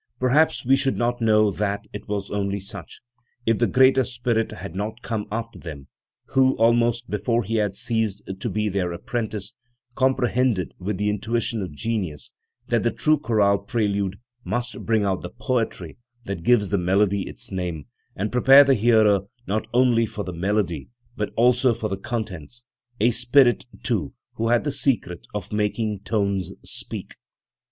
Perhaps we should not know that it was only such, if the greater spirit had not come after them, who, almost before he had ceased to be their apprentice, comprehended, with the intuition of genius, that the true chorale prelude must bring out the poetry that gives the melody its name, and prepare the hearer not only for the melody but also for the contents, a spirit, too, who had the secret of making tones speak.